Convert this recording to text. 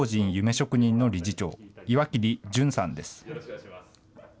職人の理事長、岩切準さんです。